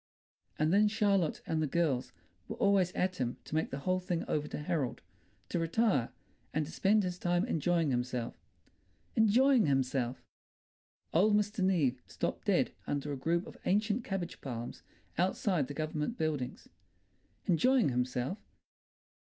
And then Charlotte and the girls were always at him to make the whole thing over to Harold, to retire, and to spend his time enjoying himself. Enjoying himself! Old Mr. Neave stopped dead under a group of ancient cabbage palms outside the Government buildings! Enjoying himself!